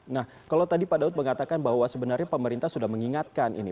nah kalau tadi pak daud mengatakan bahwa sebenarnya pemerintah sudah mengingatkan ini